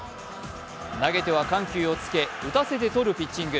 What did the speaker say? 投げては緩急をつけ、打たせてとるピッチング。